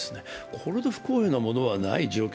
これほど不公平なものはないと。